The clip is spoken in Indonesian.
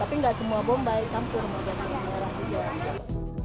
tapi enggak semua bombay campur